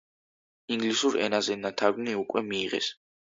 ინგლისურ ენაზე ნათარგმნი უკვე მიიღეს.